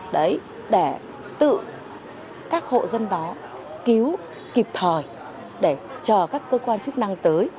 đấy để tự các hộ dân đó cứu kịp thời để chờ các cơ quan chức năng tới